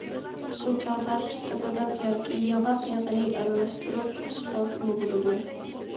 بۇ چاغدا پىستە بادام ياكى ياڭاق يېغىنى ئارىلاشتۇرۇپ سوقۇپ سالسىمۇ بولىدۇ.